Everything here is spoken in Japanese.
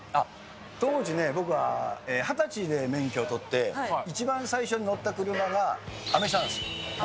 当時ね、僕は２０歳で免許取って、一番最初に乗った車が、アメ車なんです。